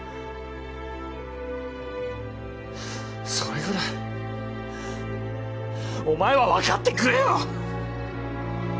それぐらいお前は分かってくれよ！